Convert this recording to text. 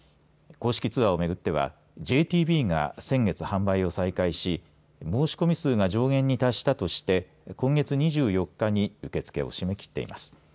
公式ツアーをめぐってはＪＴＢが先月販売を再開し申し込み数が上限に達したとして今月２４日に受け付けを締め切っています。